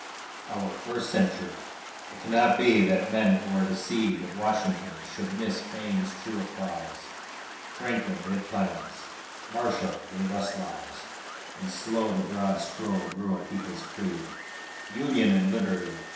OUR FIRST CENTURY It cannot be that men who are the seed Of Washington should miss fame's true applause; Franklin did plan us; Marshall gave us laws; And slow the broad scroll grew a people's creed Union and Liberty!